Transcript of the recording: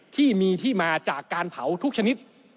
ที่มีที่มาจากการเผาทุกชนิด